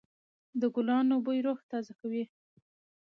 د ګلانو بوی روح تازه کوي.